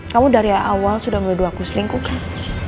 kamu dari awal sudah meliduh aku selingkuh kan